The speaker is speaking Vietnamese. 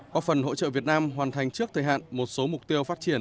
có phần hỗ trợ việt nam hoàn thành trước thời hạn một số mục tiêu phát triển